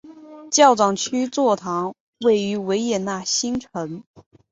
教长区座堂位于维也纳新城。